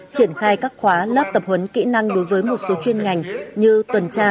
triển khai các khóa lớp tập huấn kỹ năng đối với một số chuyên ngành như tuần tra